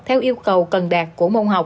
theo yêu cầu cần đạt của môn học